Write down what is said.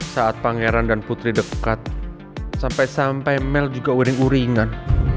saat pangeran dan putri dekat sampai sampai mel juga uring uringan